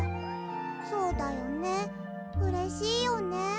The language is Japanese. そうだよねうれしいよね。